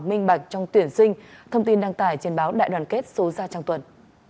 minh bạch trong tuyển sinh thông tin đăng tải trên báo đại đoàn kết số ra trong tuần